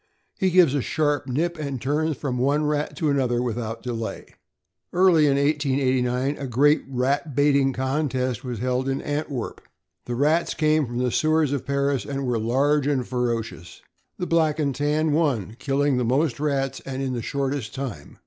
He gives a sharp nip, and turns from one rat to another without delay. Early in 1889, a great rat baiting contest was held in Antwerp. The rats came from the sewers of Paris, and (489) 490 THE AMERICAN BOOK OF THE DOG. were large and ferocious. The Black and Tan won, killing the most rats, and in the shortest time.